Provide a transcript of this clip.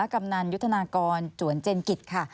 กำนันยุทธนากรจวนเจนกิจค่ะ